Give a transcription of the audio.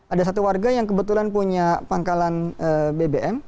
ada satu warga yang kebetulan punya pangkalan bbm